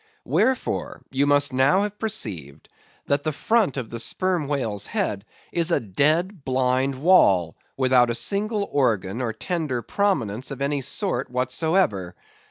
Wherefore, you must now have perceived that the front of the Sperm Whale's head is a dead, blind wall, without a single organ or tender prominence of any sort whatsoever.